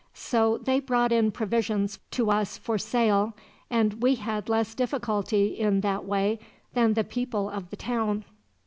So they brought in provisions to us for sale, and we had less difficulty, in that way, than the people of the town."